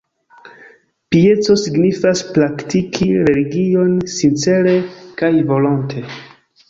Pieco signifas praktiki religion sincere kaj volonte.